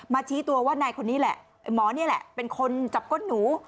ชี้ตัวว่านายคนนี้แหละหมอนี่แหละเป็นคนจับก้นหนู